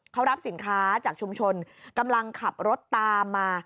เขารับสินค้าจากชุมชนกำลังขับรถตามมา